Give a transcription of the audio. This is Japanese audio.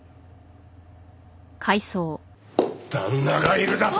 旦那がいるだと！？